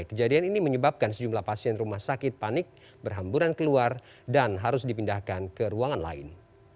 kejadian ini menyebabkan sejumlah pasien rumah sakit panik berhamburan keluar dan harus dipindahkan ke ruangan lain